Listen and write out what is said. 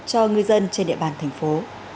cho ngư dân trên địa bàn thành phố